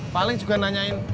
paling juga nanyain